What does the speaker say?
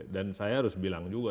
dan saya harus bilang juga